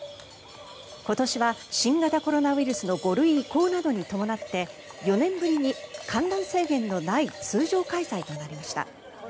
今年は新型コロナウイルスの５類移行などに伴って４年ぶりに観覧制限のない通常開催となりました。